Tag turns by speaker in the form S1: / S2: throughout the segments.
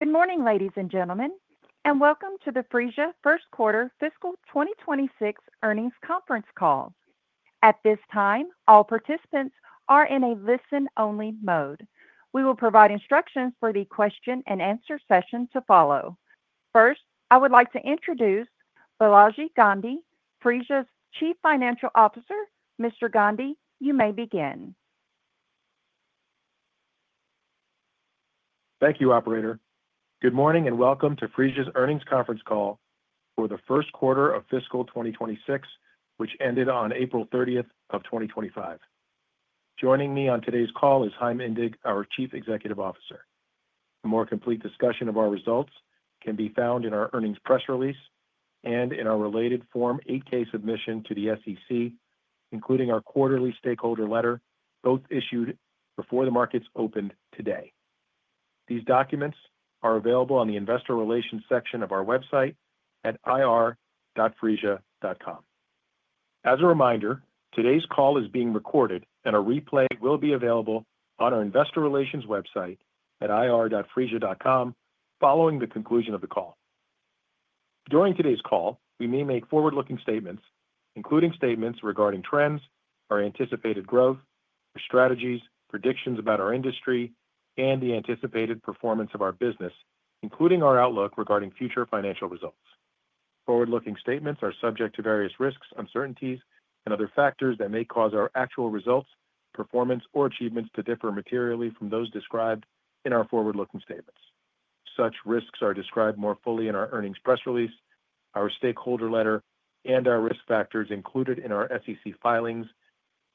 S1: Good morning, ladies and gentlemen, and welcome to the Phreesia First Quarter Fiscal 2026 Earnings Conference Call. At this time, all participants are in a listen-only mode. We will provide instructions for the question-and-answer session to follow. First, I would like to introduce Balaji Gandhi, Phreesia's Chief Financial Officer. Mr. Gandhi, you may begin.
S2: Thank you, Operator. Good morning and welcome to Phreesia's Earnings Conference Call for the first quarter of Fiscal 2026, which ended on April 30, 2025. Joining me on today's call is Chaim Indig, our Chief Executive Officer. A more complete discussion of our results can be found in our earnings press release and in our related Form 8-K submission to the SEC, including our quarterly stakeholder letter, both issued before the markets opened today. These documents are available on the Investor Relations section of our website at ir.phreesia.com. As a reminder, today's call is being recorded, and a replay will be available on our Investor Relations website at ir.phreesia.com following the conclusion of the call. During today's call, we may make forward-looking statements, including statements regarding trends, our anticipated growth, our strategies, predictions about our industry, and the anticipated performance of our business, including our outlook regarding future financial results. Forward-looking statements are subject to various risks, uncertainties, and other factors that may cause our actual results, performance, or achievements to differ materially from those described in our forward-looking statements. Such risks are described more fully in our earnings press release, our stakeholder letter, and our risk factors included in our SEC filings,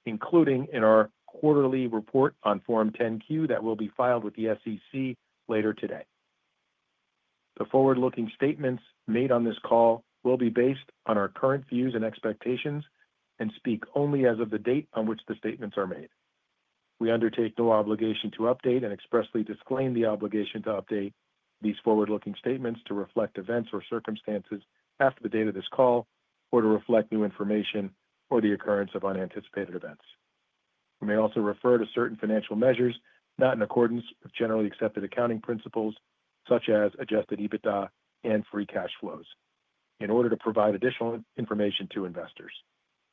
S2: including in our quarterly report on Form 10-Q that will be filed with the SEC later today. The forward-looking statements made on this call will be based on our current views and expectations and speak only as of the date on which the statements are made. We undertake no obligation to update and expressly disclaim the obligation to update these forward-looking statements to reflect events or circumstances after the date of this call or to reflect new information or the occurrence of unanticipated events. We may also refer to certain financial measures not in accordance with generally accepted accounting principles, such as adjusted EBITDA and free cash flow, in order to provide additional information to investors.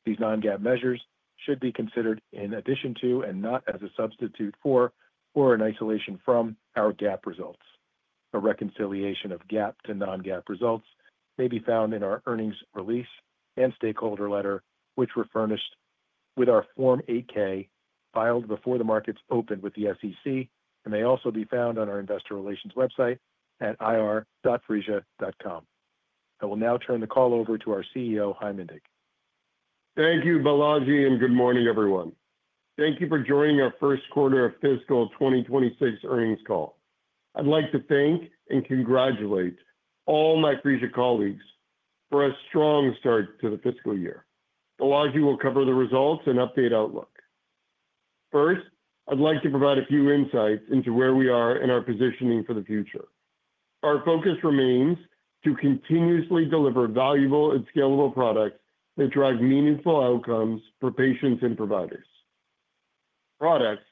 S2: These non-GAAP measures should be considered in addition to and not as a substitute for or in isolation from our GAAP results. A reconciliation of GAAP to non-GAAP results may be found in our earnings release and stakeholder letter, which were furnished with our Form 8-K filed before the markets opened with the SEC, and may also be found on our Investor Relations website at ir.phreesia.com. I will now turn the call over to our CEO, Chaim Indig.
S3: Thank you, Balaji, and good morning, everyone. Thank you for joining our First Quarter of Fiscal 2026 Earnings Call. I'd like to thank and congratulate all my Phreesia colleagues for a strong start to the fiscal year. Balaji will cover the results and update outlook. First, I'd like to provide a few insights into where we are and our positioning for the future. Our focus remains to continuously deliver valuable and scalable products that drive meaningful outcomes for patients and providers. Products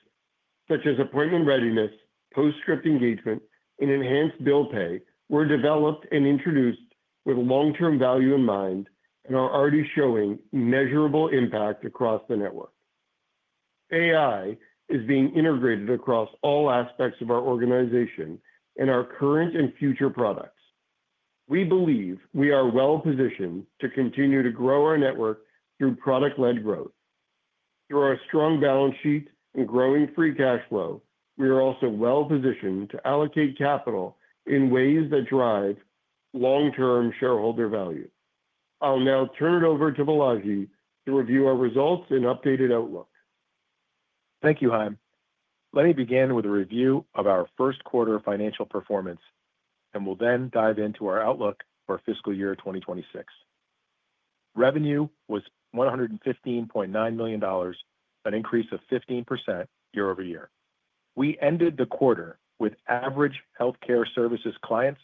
S3: such as Appointment Readiness, Post-Script Engagement, and Enhanced Bill Pay were developed and introduced with long-term value in mind and are already showing measurable impact across the network. AI is being integrated across all aspects of our organization and our current and future products. We believe we are well-positioned to continue to grow our network through product-led growth. Through our strong balance sheet and growing free cash flow, we are also well-positioned to allocate capital in ways that drive long-term shareholder value. I'll now turn it over to Balaji to review our results and updated outlook.
S2: Thank you, Chaim. Let me begin with a review of our first quarter financial performance, and we'll then dive into our outlook for fiscal year 2026. Revenue was $115.9 million, an increase of 15% year-over-year. We ended the quarter with average healthcare services clients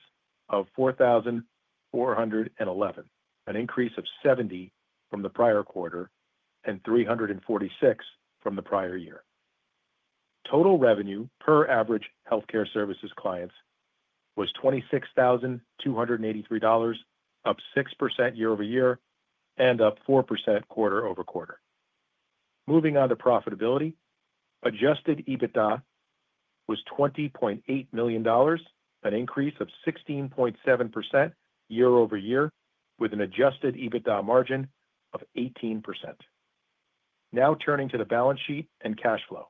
S2: of 4,411, an increase of 70 from the prior quarter and 346 from the prior year. Total revenue per average healthcare services clients was $26,283, up 6% year-over-year and up 4% quarter over quarter. Moving on to profitability, adjusted EBITDA was $20.8 million, an increase of 16.7% year-over-year, with an adjusted EBITDA margin of 18%. Now turning to the balance sheet and cash flow.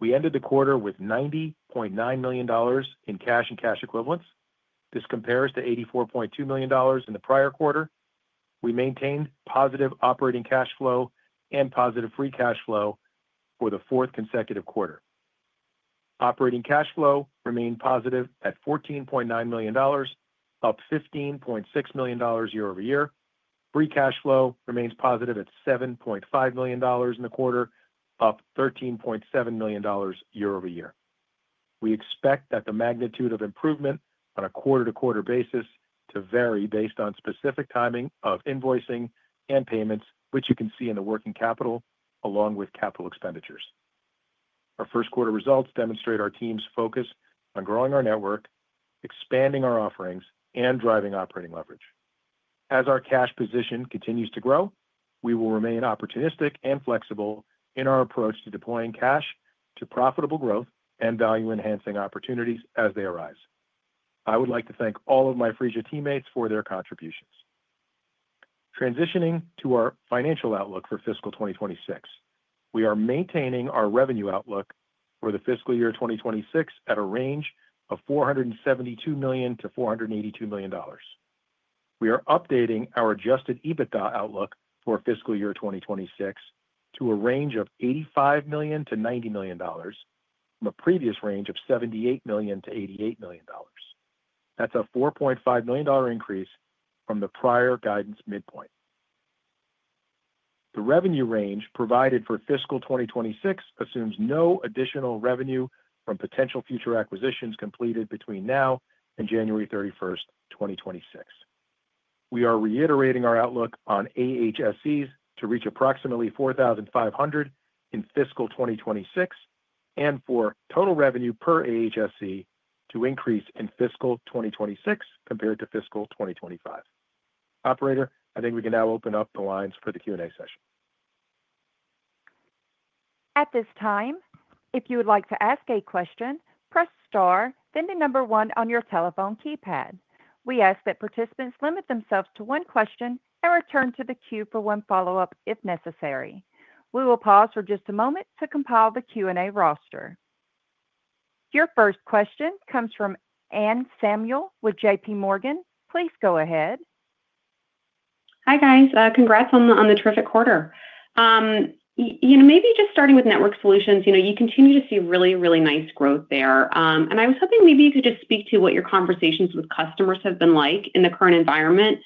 S2: We ended the quarter with $90.9 million in cash and cash equivalents. This compares to $84.2 million in the prior quarter. We maintained positive operating cash flow and positive free cash flow for the fourth consecutive quarter. Operating cash flow remained positive at $14.9 million, up $15.6 million year-over-year. Free cash flow remains positive at $7.5 million in the quarter, up $13.7 million year-over-year. We expect that the magnitude of improvement on a quarter-to-quarter basis to vary based on specific timing of invoicing and payments, which you can see in the working capital along with capital expenditures. Our first quarter results demonstrate our team's focus on growing our network, expanding our offerings, and driving operating leverage. As our cash position continues to grow, we will remain opportunistic and flexible in our approach to deploying cash to profitable growth and value-enhancing opportunities as they arise. I would like to thank all of my Phreesia teammates for their contributions. Transitioning to our financial outlook for fiscal 2026, we are maintaining our revenue outlook for the fiscal year 2026 at a range of $472 million-$482 million. We are updating our adjusted EBITDA outlook for fiscal year 2026 to a range of $85 million-$90 million, the previous range of $78 million-$88 million. That's a $4.5 million increase from the prior guidance midpoint. The revenue range provided for fiscal 2026 assumes no additional revenue from potential future acquisitions completed between now and January 31, 2026. We are reiterating our outlook on AHSEs to reach approximately 4,500 in fiscal 2026 and for total revenue per AHSE to increase in fiscal 2026 compared to fiscal 2025. Operator, I think we can now open up the lines for the Q&A session.
S1: At this time, if you would like to ask a question, press star, then the number one on your telephone keypad. We ask that participants limit themselves to one question and return to the queue for one follow-up if necessary. We will pause for just a moment to compile the Q&A roster. Your first question comes from Anne Samuel with JPMorgan. Please go ahead.
S4: Hi, guys. Congrats on the terrific quarter. You know, maybe just starting with network solutions, you know, you continue to see really, really nice growth there. I was hoping maybe you could just speak to what your conversations with customers have been like in the current environment.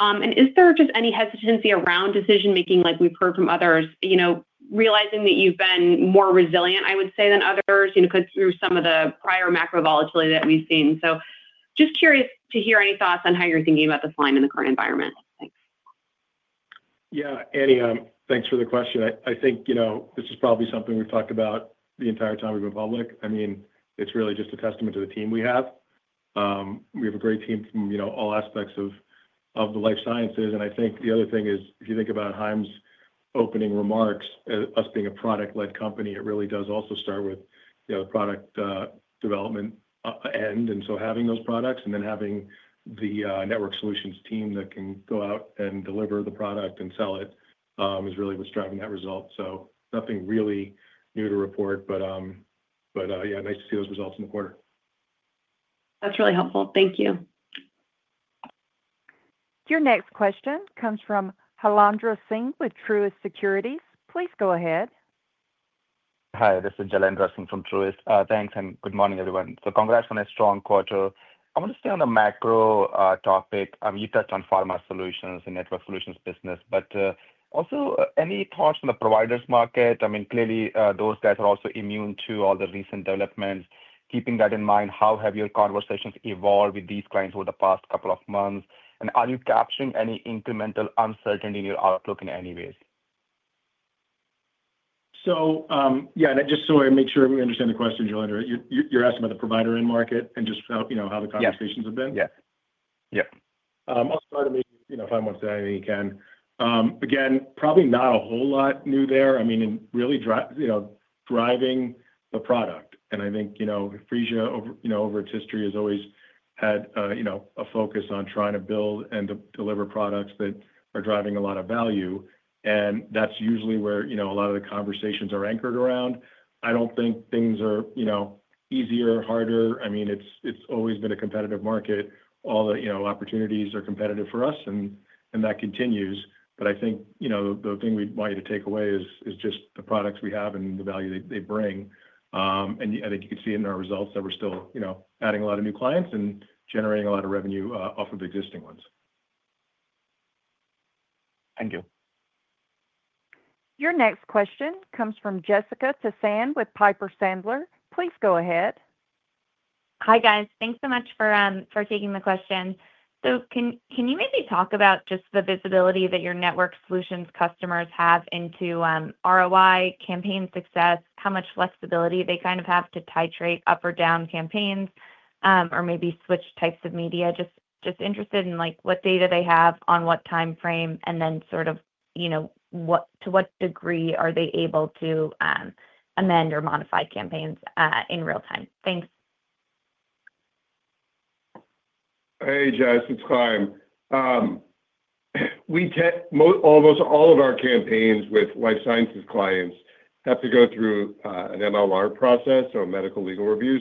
S4: Is there just any hesitancy around decision-making like we've heard from others, you know, realizing that you've been more resilient, I would say, than others, you know, through some of the prior macro volatility that we've seen? Just curious to hear any thoughts on how you're thinking about this line in the current environment. Thanks.
S2: Yeah, Anne, thanks for the question. I think, you know, this is probably something we've talked about the entire time we've been public. I mean, it's really just a testament to the team we have. We have a great team from, you know, all aspects of the life sciences. I think the other thing is, if you think about Chaim's opening remarks, us being a product-led company, it really does also start with, you know, the product development end. Having those products and then having the network solutions team that can go out and deliver the product and sell it is really what's driving that result. Nothing really new to report, but, yeah, nice to see those results in the quarter.
S4: That's really helpful. Thank you.
S1: Your next question comes from Jailendra Singh with Truist Securities. Please go ahead.
S5: Hi, this is Jilendra Singh from Truist. Thanks, and good morning, everyone. Congrats on a strong quarter. I want to stay on the macro topic. You touched on pharma solutions and network solutions business, but also any thoughts on the providers market? I mean, clearly, those guys are also immune to all the recent developments. Keeping that in mind, how have your conversations evolved with these clients over the past couple of months? Are you capturing any incremental uncertainty in your outlook in any ways?
S2: So, yeah, just so I make sure we understand the question, Jailendra, you're asking about the provider end market and just how the conversations have been?
S5: Yes. Yes.
S2: I'll start, I mean, if I want to say anything I can. Again, probably not a whole lot new there. I mean, really, you know, driving the product. And I think, you know, Phreesia, you know, over its history has always had, you know, a focus on trying to build and deliver products that are driving a lot of value. And that's usually where, you know, a lot of the conversations are anchored around. I don't think things are, you know, easier, harder. I mean, it's always been a competitive market. All the, you know, opportunities are competitive for us, and that continues. But I think, you know, the thing we want you to take away is just the products we have and the value they bring. I think you can see in our results that we're still, you know, adding a lot of new clients and generating a lot of revenue off of existing ones.
S5: Thank you.
S1: Your next question comes from Jessica Tassan with Piper Sandler. Please go ahead.
S6: Hi, guys. Thanks so much for taking the question. Can you maybe talk about just the visibility that your network solutions customers have into ROI, campaign success, how much flexibility they kind of have to titrate up or down campaigns, or maybe switch types of media? Just interested in, like, what data they have on what time frame and then sort of, you know, to what degree are they able to amend or modify campaigns in real time? Thanks.
S3: Hey, Jess, it's Chaim. We almost all of our campaigns with life sciences clients have to go through an MLR process or a medical legal review.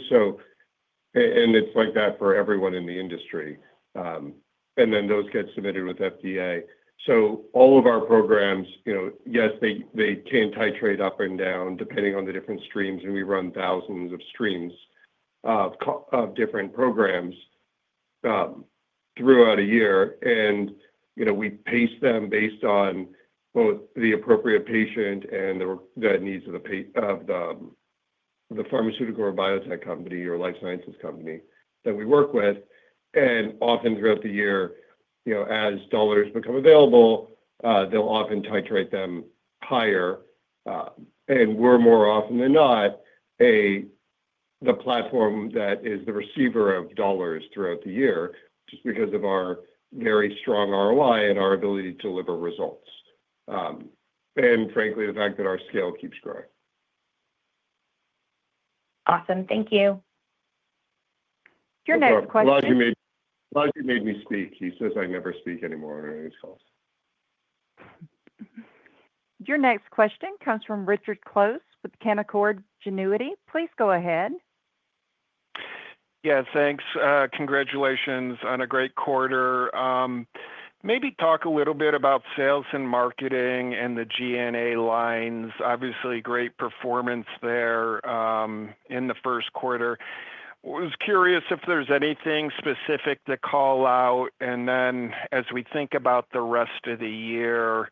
S3: It is like that for everyone in the industry. Those get submitted with FDA. All of our programs, you know, yes, they can titrate up and down depending on the different streams. We run thousands of streams of different programs throughout a year. You know, we pace them based on both the appropriate patient and the needs of the pharmaceutical or biotech company or life sciences company that we work with. Often throughout the year, you know, as dollars become available, they'll often titrate them higher. We are more often than not the platform that is the receiver of dollars throughout the year just because of our very strong ROI and our ability to deliver results. Frankly, the fact that our scale keeps growing.
S6: Awesome. Thank you.
S1: Your next question.
S3: Balaji made me speak. He says I never speak anymore on any of these calls.
S1: Your next question comes from Richard Close with Canaccord Genuity. Please go ahead.
S7: Yes, thanks. Congratulations on a great quarter. Maybe talk a little bit about sales and marketing and the G&A lines. Obviously, great performance there in the first quarter. I was curious if there's anything specific to call out. As we think about the rest of the year,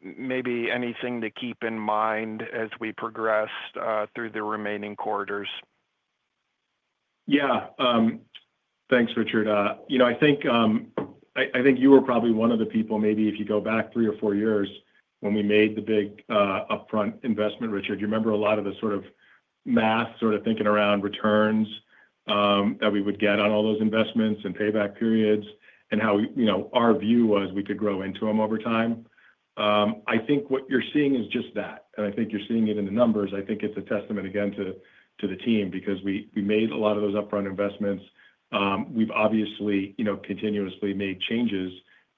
S7: maybe anything to keep in mind as we progress through the remaining quarters.
S2: Yeah. Thanks, Richard. You know, I think you were probably one of the people, maybe if you go back three or four years when we made the big upfront investment, Richard, you remember a lot of the sort of math, sort of thinking around returns that we would get on all those investments and payback periods and how, you know, our view was we could grow into them over time. I think what you're seeing is just that. I think you're seeing it in the numbers. I think it's a testament, again, to the team because we made a lot of those upfront investments. We've obviously, you know, continuously made changes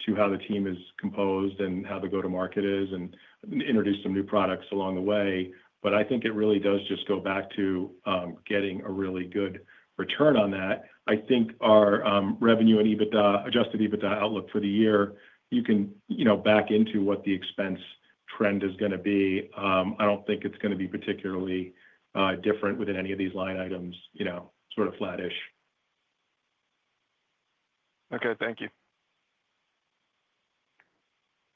S2: to how the team is composed and how the go-to-market is and introduced some new products along the way. I think it really does just go back to getting a really good return on that. I think our revenue and adjusted EBITDA outlook for the year, you can, you know, back into what the expense trend is going to be. I do not think it's going to be particularly different within any of these line items, you know, sort of flattish.
S7: Okay. Thank you.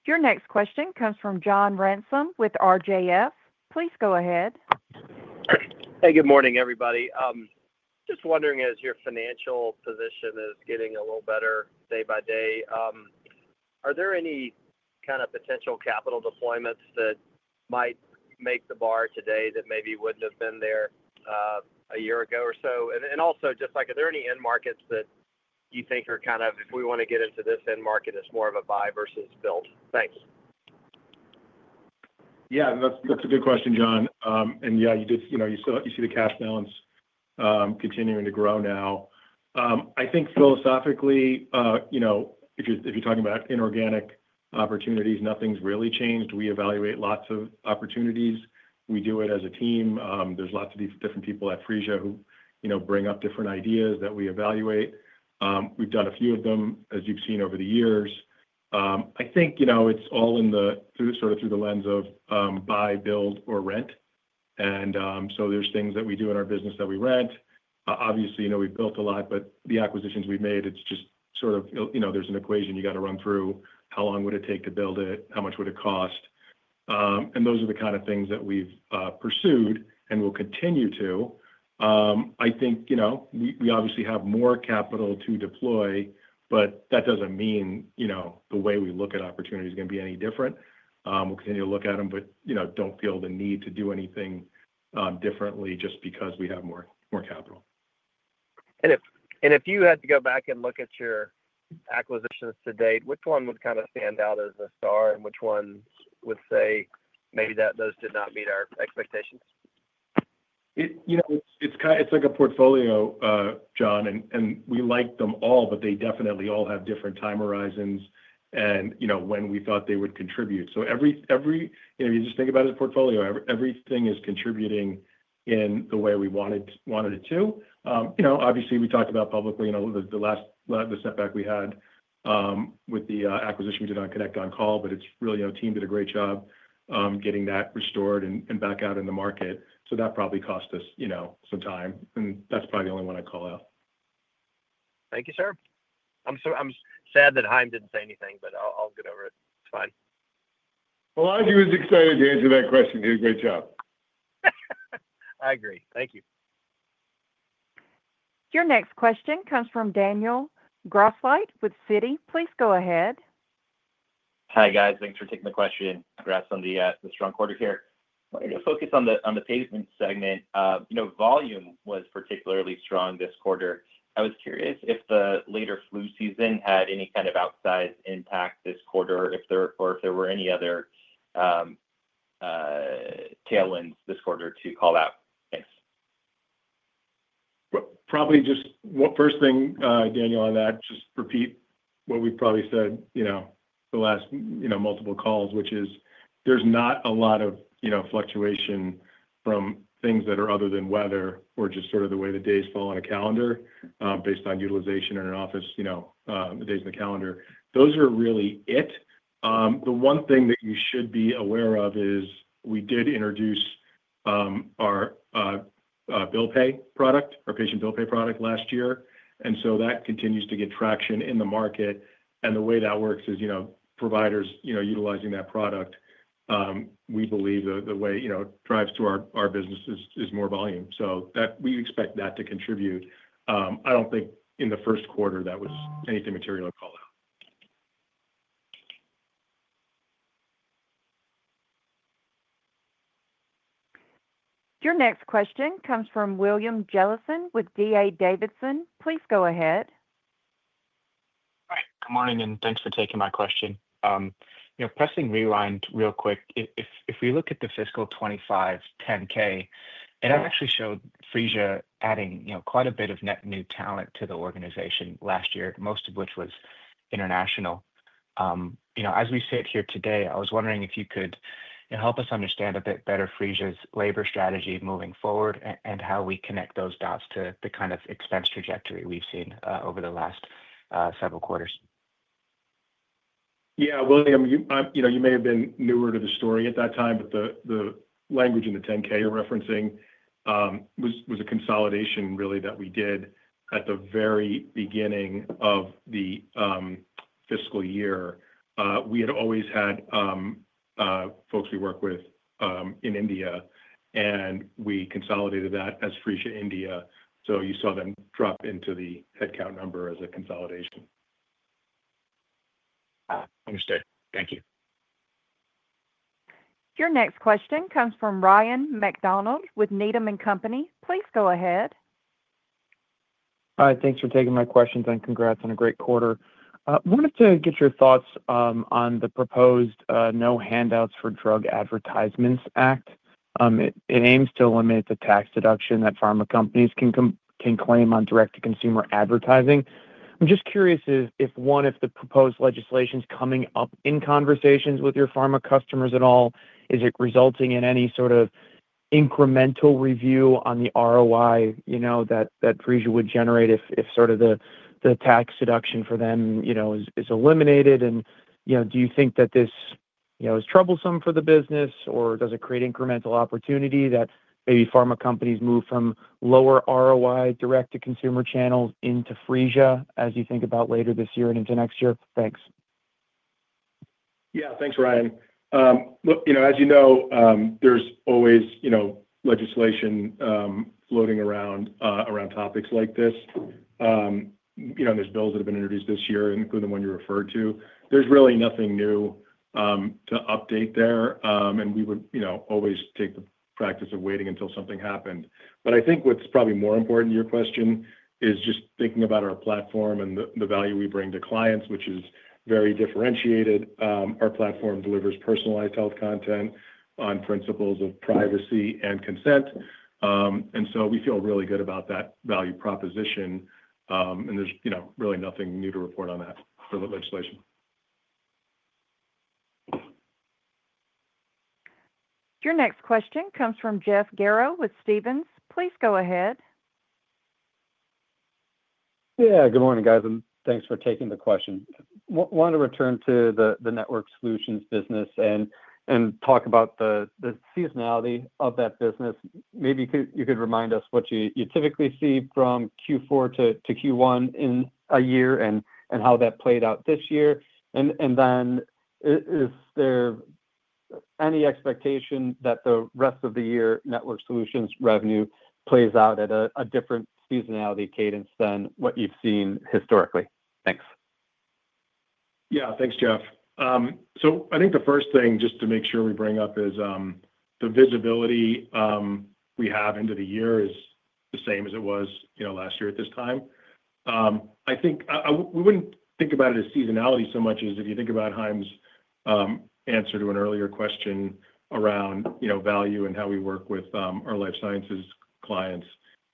S1: Your next question comes from John Ransom with RJF. Please go ahead.
S8: Hey, good morning, everybody. Just wondering, as your financial position is getting a little better day by day, are there any kind of potential capital deployments that might make the bar today that maybe would not have been there a year ago or so? Also, just like, are there any end markets that you think are kind of, if we want to get into this end market, it is more of a buy versus build? Thanks.
S2: Yeah, that's a good question, John. Yeah, you see the cash balance continuing to grow now. I think philosophically, you know, if you're talking about inorganic opportunities, nothing's really changed. We evaluate lots of opportunities. We do it as a team. There's lots of different people at Phreesia who, you know, bring up different ideas that we evaluate. We've done a few of them, as you've seen over the years. I think, you know, it's all in the sort of through the lens of buy, build, or rent. There's things that we do in our business that we rent. Obviously, you know, we've built a lot, but the acquisitions we've made, it's just sort of, you know, there's an equation you got to run through. How long would it take to build it? How much would it cost? Those are the kind of things that we've pursued and will continue to. I think, you know, we obviously have more capital to deploy, but that doesn't mean, you know, the way we look at opportunity is going to be any different. We'll continue to look at them, but, you know, don't feel the need to do anything differently just because we have more capital.
S8: If you had to go back and look at your acquisitions to date, which one would kind of stand out as a star and which one would you say maybe did not meet our expectations?
S2: You know, it's like a portfolio, John, and we like them all, but they definitely all have different time horizons and, you know, when we thought they would contribute. So every, you know, you just think about it as a portfolio. Everything is contributing in the way we wanted it to. You know, obviously, we talked about publicly, you know, the last setback we had with the acquisition we did on Phreesia on Call, but it's really, you know, team did a great job getting that restored and back out in the market. That probably cost us, you know, some time. And that's probably the only one I'd call out.
S8: Thank you, sir. I'm sad that Chaim didn't say anything, but I'll get over it. It's fine.
S3: I was excited to answer that question. He did a great job.
S8: I agree. Thank you.
S1: Your next question comes from Daniel Grosslight with Citi. Please go ahead.
S9: Hi, guys. Thanks for taking the question. Congrats on the strong quarter here. I wanted to focus on the payment segment. You know, volume was particularly strong this quarter. I was curious if the later flu season had any kind of outsized impact this quarter or if there were any other tailwinds this quarter to call out. Thanks.
S2: Probably just first thing, Daniel, on that, just repeat what we've probably said, you know, the last, you know, multiple calls, which is there's not a lot of, you know, fluctuation from things that are other than weather or just sort of the way the days fall on a calendar based on utilization in an office, you know, the days in the calendar. Those are really it. The one thing that you should be aware of is we did introduce our bill pay product, our patient bill pay product last year. And so that continues to get traction in the market. The way that works is, you know, providers, you know, utilizing that product, we believe the way, you know, it drives through our business is more volume. We expect that to contribute. I don't think in the first quarter that was anything material to call out.
S1: Your next question comes from William Jellison with DA Davidson. Please go ahead.
S10: Hi, good morning, and thanks for taking my question. You know, pressing rewind real quick, if we look at the fiscal 2025 10-K, it actually showed Phreesia adding, you know, quite a bit of net new talent to the organization last year, most of which was international. You know, as we sit here today, I was wondering if you could help us understand a bit better Phreesia's labor strategy moving forward and how we connect those dots to the kind of expense trajectory we've seen over the last several quarters.
S2: Yeah, William, you know, you may have been newer to the story at that time, but the language in the 10-K you're referencing was a consolidation really that we did at the very beginning of the fiscal year. We had always had folks we work with in India, and we consolidated that as Phreesia India. So you saw them drop into the headcount number as a consolidation.
S10: Understood. Thank you.
S1: Your next question comes from Ryan MacDonald with Needham & Company. Please go ahead.
S11: Hi, thanks for taking my questions and congrats on a great quarter. I wanted to get your thoughts on the proposed No Handouts for Drug Advertisements Act. It aims to eliminate the tax deduction that pharma companies can claim on direct-to-consumer advertising. I'm just curious if, one, if the proposed legislation is coming up in conversations with your pharma customers at all, is it resulting in any sort of incremental review on the ROI, you know, that Phreesia would generate if sort of the tax deduction for them, you know, is eliminated? And, you know, do you think that this, you know, is troublesome for the business, or does it create incremental opportunity that maybe pharma companies move from lower ROI direct-to-consumer channels into Phreesia as you think about later this year and into next year? Thanks.
S2: Yeah, thanks, Ryan. You know, as you know, there's always, you know, legislation floating around topics like this. You know, there's bills that have been introduced this year, including the one you referred to. There's really nothing new to update there. We would, you know, always take the practice of waiting until something happened. I think what's probably more important to your question is just thinking about our platform and the value we bring to clients, which is very differentiated. Our platform delivers personalized health content on principles of privacy and consent. We feel really good about that value proposition. There's, you know, really nothing new to report on that for the legislation.
S1: Your next question comes from Jeff Garro with Stephens. Please go ahead.
S12: Yeah, good morning, guys. Thanks for taking the question. Wanted to return to the network solutions business and talk about the seasonality of that business. Maybe you could remind us what you typically see from Q4 to Q1 in a year and how that played out this year. Is there any expectation that the rest of the year network solutions revenue plays out at a different seasonality cadence than what you've seen historically? Thanks.
S2: Yeah, thanks, Jeff. I think the first thing just to make sure we bring up is the visibility we have into the year is the same as it was, you know, last year at this time. I think we would not think about it as seasonality so much as if you think about Chaim's answer to an earlier question around, you know, value and how we work with our life sciences clients.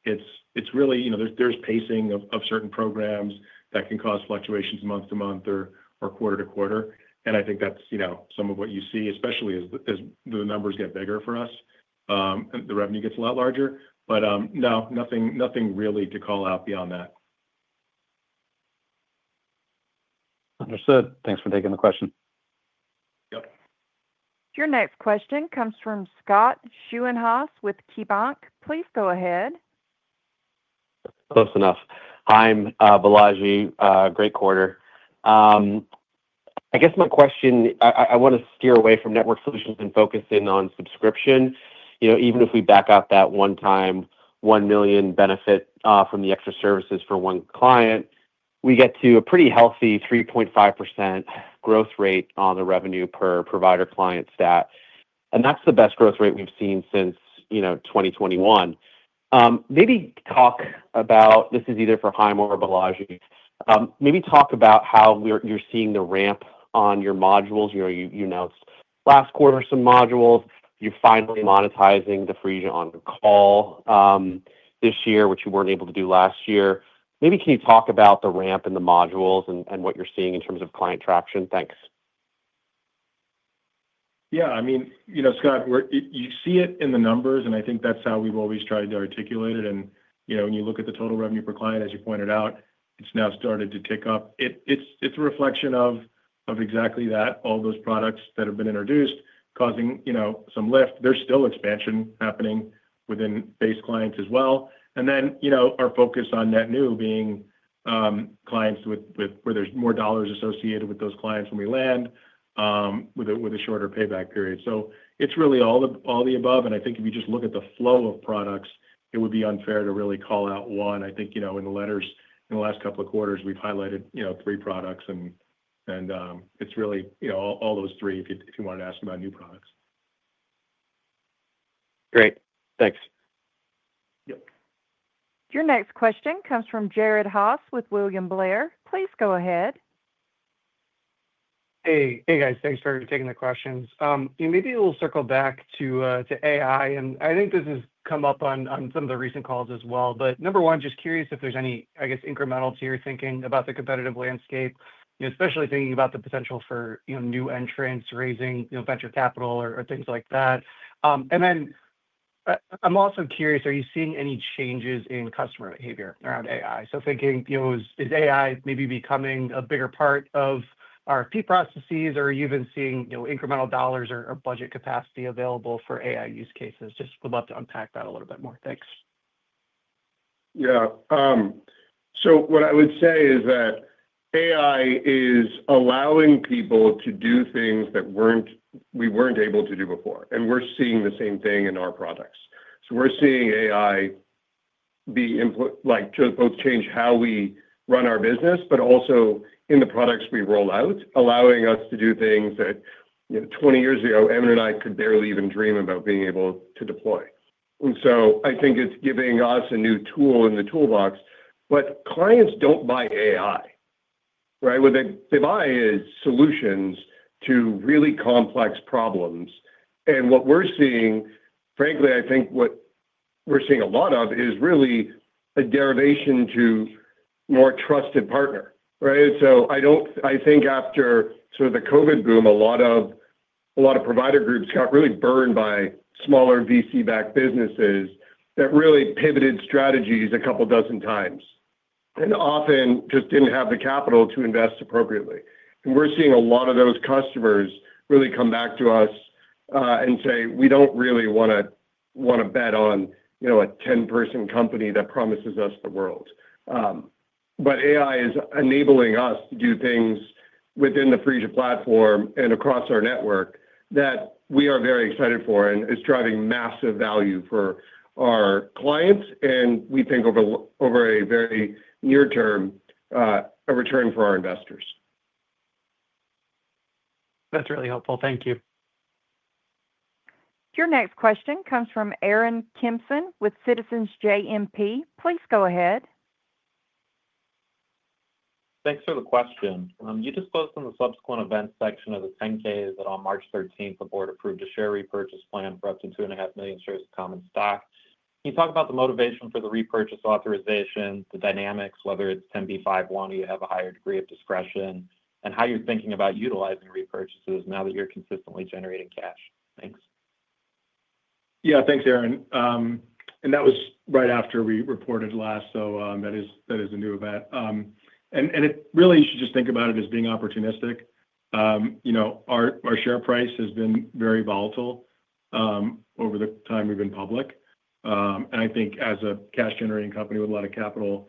S2: It's really, you know, there's pacing of certain programs that can cause fluctuations month to month or quarter to quarter. I think that's, you know, some of what you see, especially as the numbers get bigger for us and the revenue gets a lot larger. No, nothing really to call out beyond that.
S12: Understood. Thanks for taking the question.
S2: Yep.
S1: Your next question comes from Scott Schoenhaus with KeyBanc. Please go ahead.
S13: Close enough. Hi, Balaji. Great quarter. I guess my question, I want to steer away from network solutions and focus in on subscription. You know, even if we back out that one-time $1 million benefit from the extra services for one client, we get to a pretty healthy 3.5% growth rate on the revenue per provider-client stat. And that's the best growth rate we've seen since, you know, 2021. Maybe talk about, this is either for Chaim or Balaji, maybe talk about how you're seeing the ramp on your modules. You know, you announced last quarter some modules. You're finally monetizing the Phreesia on Call this year, which you weren't able to do last year. Maybe can you talk about the ramp in the modules and what you're seeing in terms of client traction? Thanks.
S2: Yeah, I mean, you know, Scott, you see it in the numbers, and I think that's how we've always tried to articulate it. You know, when you look at the total revenue per client, as you pointed out, it's now started to tick up. It's a reflection of exactly that, all those products that have been introduced causing, you know, some lift. There's still expansion happening within base clients as well. You know, our focus on net new being clients where there's more dollars associated with those clients when we land with a shorter payback period. It's really all the above. I think if you just look at the flow of products, it would be unfair to really call out one. I think, you know, in the letters in the last couple of quarters, we've highlighted, you know, three products, and it's really, you know, all those three if you wanted to ask about new products.
S13: Great. Thanks.
S2: Yep.
S1: Your next question comes from Jared Haase with William Blair. Please go ahead.
S14: Hey, hey guys. Thanks for taking the questions. You know, maybe we'll circle back to AI. I think this has come up on some of the recent calls as well. Number one, just curious if there's any, I guess, incremental to your thinking about the competitive landscape, you know, especially thinking about the potential for, you know, new entrants raising, you know, venture capital or things like that. I'm also curious, are you seeing any changes in customer behavior around AI? Thinking, you know, is AI maybe becoming a bigger part of our fee processes, or are you even seeing, you know, incremental dollars or budget capacity available for AI use cases? Just would love to unpack that a little bit more. Thanks.
S3: Yeah. What I would say is that AI is allowing people to do things that we were not able to do before. We are seeing the same thing in our products. We are seeing AI both change how we run our business, but also in the products we roll out, allowing us to do things that, you know, 20 years ago, Evan and I could barely even dream about being able to deploy. I think it is giving us a new tool in the toolbox. Clients do not buy AI, right? What they buy is solutions to really complex problems. What we are seeing, frankly, I think what we are seeing a lot of is really a derivation to more trusted partner, right? I think after sort of the COVID boom, a lot of provider groups got really burned by smaller VC-backed businesses that really pivoted strategies a couple dozen times and often just did not have the capital to invest appropriately. We are seeing a lot of those customers really come back to us and say, "We do not really want to bet on, you know, a 10-person company that promises us the world." AI is enabling us to do things within the Phreesia platform and across our network that we are very excited for and is driving massive value for our clients. We think over a very near term, a return for our investors.
S14: That's really helpful. Thank you.
S1: Your next question comes from Aaron Kimpson with Citizens JMP. Please go ahead.
S15: Thanks for the question. You disclosed in the subsequent events section of the 10-K that on March 13th, the board approved a share repurchase plan for up to 2.5 million shares of common stock. Can you talk about the motivation for the repurchase authorization, the dynamics, whether it's 10b5-1 or you have a higher degree of discretion, and how you're thinking about utilizing repurchases now that you're consistently generating cash? Thanks.
S2: Yeah, thanks, Aaron. That was right after we reported last. That is a new event. It really, you should just think about it as being opportunistic. You know, our share price has been very volatile over the time we've been public. I think as a cash-generating company with a lot of capital,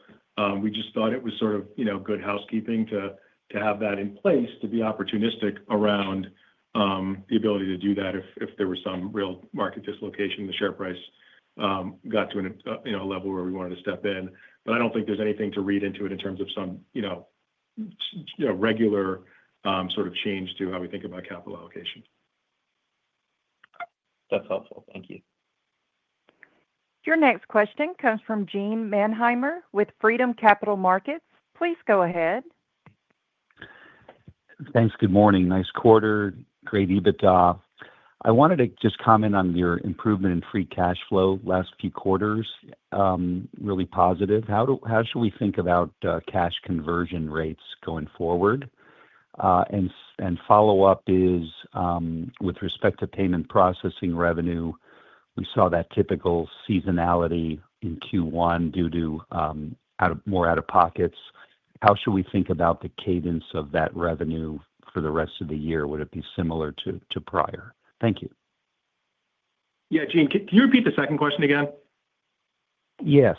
S2: we just thought it was sort of, you know, good housekeeping to have that in place to be opportunistic around the ability to do that if there was some real market dislocation, the share price got to a level where we wanted to step in. I do not think there's anything to read into it in terms of some, you know, regular sort of change to how we think about capital allocation.
S15: That's helpful. Thank you.
S1: Your next question comes from Gene Mannheimer with Freedom Capital Markets. Please go ahead.
S16: Thanks. Good morning. Nice quarter. Great EBITDA. I wanted to just comment on your improvement in free cash flow last few quarters. Really positive. How should we think about cash conversion rates going forward? A follow-up is with respect to payment processing revenue, we saw that typical seasonality in Q1 due to more out of pockets. How should we think about the cadence of that revenue for the rest of the year? Would it be similar to prior? Thank you.
S2: Yeah, Jean, can you repeat the second question again?
S16: Yes.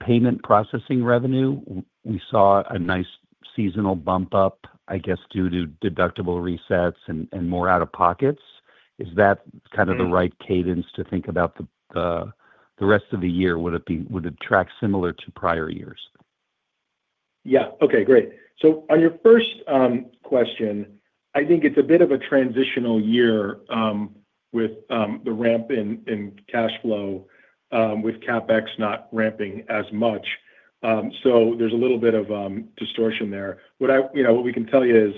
S16: Payment processing revenue, we saw a nice seasonal bump up, I guess, due to deductible resets and more out of pockets. Is that kind of the right cadence to think about the rest of the year? Would it track similar to prior years?
S2: Yeah. Okay, great. On your first question, I think it's a bit of a transitional year with the ramp in cash flow with CapEx not ramping as much. There's a little bit of distortion there. You know, what we can tell you is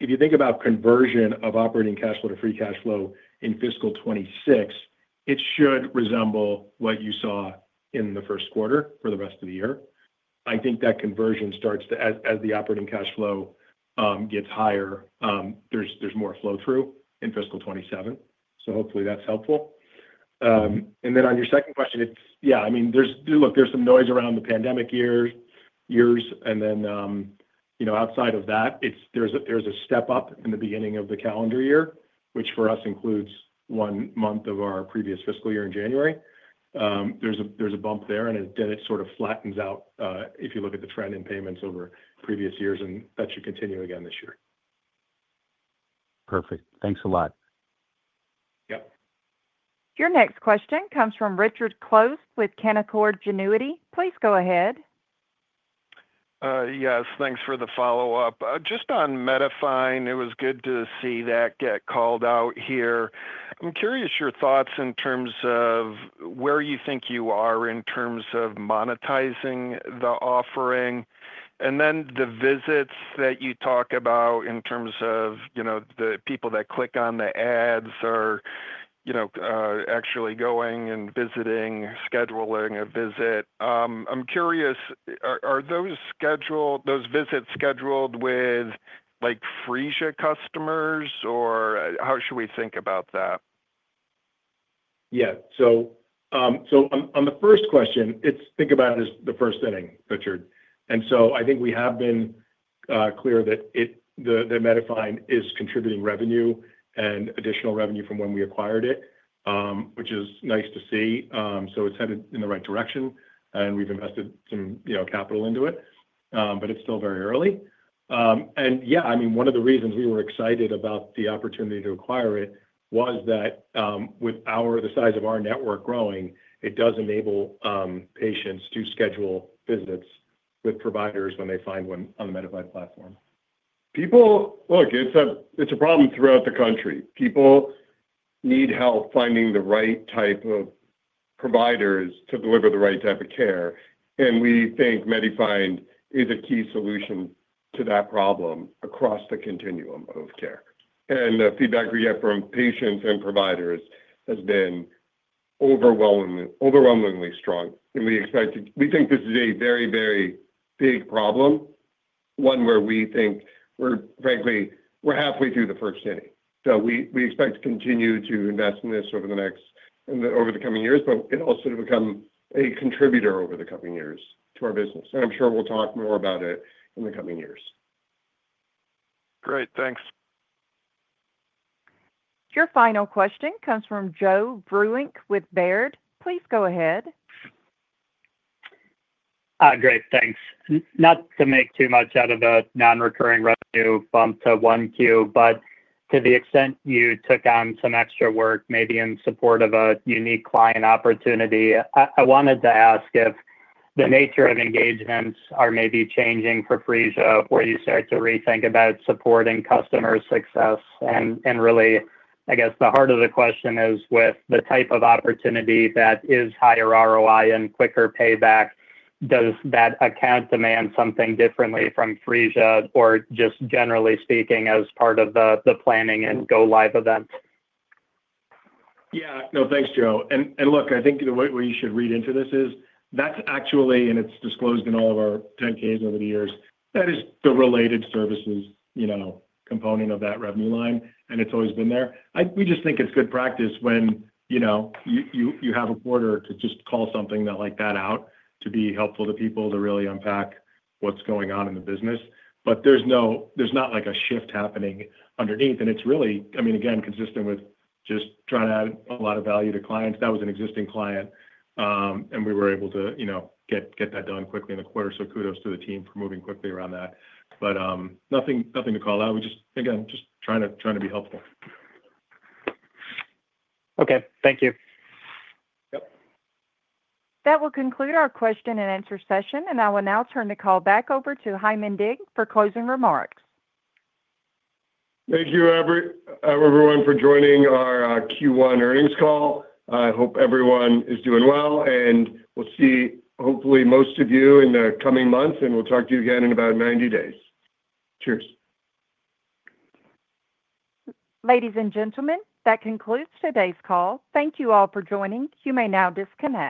S2: if you think about conversion of operating cash flow to free cash flow in fiscal 2026, it should resemble what you saw in the first quarter for the rest of the year. I think that conversion starts to, as the operating cash flow gets higher, there's more flow-through in fiscal 2027. Hopefully that's helpful. On your second question, yeah, I mean, look, there's some noise around the pandemic years. You know, outside of that, there's a step up in the beginning of the calendar year, which for us includes one month of our previous fiscal year in January. There's a bump there, and then it sort of flattens out if you look at the trend in payments over previous years, and that should continue again this year.
S16: Perfect. Thanks a lot.
S2: Yep.
S1: Your next question comes from Richard Close with Canaccord Genuity. Please go ahead.
S7: Yes, thanks for the follow-up. Just on MediFind, it was good to see that get called out here. I'm curious your thoughts in terms of where you think you are in terms of monetizing the offering. The visits that you talk about in terms of, you know, the people that click on the ads are, you know, actually going and visiting, scheduling a visit. I'm curious, are those visits scheduled with, like, Phreesia customers, or how should we think about that?
S2: Yeah. On the first question, think about it as the first thing, Richard. I think we have been clear that MediFind is contributing revenue and additional revenue from when we acquired it, which is nice to see. It is headed in the right direction, and we have invested some, you know, capital into it. It is still very early. Yeah, I mean, one of the reasons we were excited about the opportunity to acquire it was that with the size of our network growing, it does enable patients to schedule visits with providers when they find one on the MediFind platform.
S3: People, look, it's a problem throughout the country. People need help finding the right type of providers to deliver the right type of care. We think MediFind is a key solution to that problem across the continuum of care. The feedback we get from patients and providers has been overwhelmingly strong. We think this is a very, very big problem, one where we think we're, frankly, we're halfway through the first inning. We expect to continue to invest in this over the next, over the coming years, but it also to become a contributor over the coming years to our business. I'm sure we'll talk more about it in the coming years.
S7: Great. Thanks.
S1: Your final question comes from Joe Vruwink with Baird. Please go ahead.
S17: Great. Thanks. Not to make too much out of the non-recurring revenue bump to one Q, but to the extent you took on some extra work, maybe in support of a unique client opportunity, I wanted to ask if the nature of engagements are maybe changing for Phreesia where you start to rethink about supporting customer success. Really, I guess the heart of the question is with the type of opportunity that is higher ROI and quicker payback, does that account demand something differently from Phreesia or just generally speaking as part of the planning and go-live event?
S2: Yeah. No, thanks, Joe. Look, I think the way you should read into this is that's actually, and it's disclosed in all of our 10-Ks over the years, that is the related services, you know, component of that revenue line. It's always been there. We just think it's good practice when, you know, you have a quarter to just call something like that out to be helpful to people to really unpack what's going on in the business. There's not like a shift happening underneath. It's really, I mean, again, consistent with just trying to add a lot of value to clients. That was an existing client, and we were able to, you know, get that done quickly in the quarter. Kudos to the team for moving quickly around that. Nothing to call out. We're just, again, just trying to be helpful.
S17: Okay. Thank you.
S2: Yep.
S1: That will conclude our question and answer session. I will now turn the call back over to Chaim Indig for closing remarks.
S3: Thank you, everyone, for joining our Q1 earnings call. I hope everyone is doing well. We will see, hopefully, most of you in the coming months. We will talk to you again in about 90 days. Cheers.
S1: Ladies and gentlemen, that concludes today's call. Thank you all for joining. You may now disconnect.